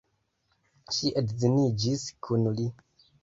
Ŝi edziniĝis kun li.